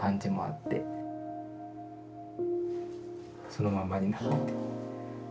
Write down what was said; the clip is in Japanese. そのままになってて。